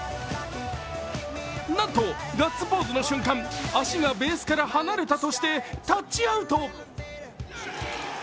なんとガッツポーズの瞬間、足がベースから離れたとしてタッチアウト。